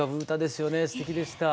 すてきでした。